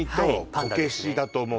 こけしだと思う